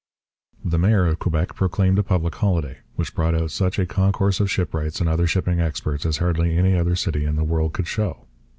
The mayor of Quebec proclaimed a public holiday, which brought out such a concourse of shipwrights and other shipping experts as hardly any other city in the world could show.